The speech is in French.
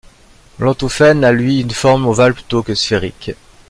L'entofen a lui une forme ovale plutôt que sphérique.